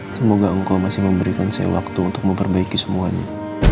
semoga engkau masih memberikan saya waktu untuk memperbaiki semuanya